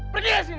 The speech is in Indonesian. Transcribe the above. pergi dari sini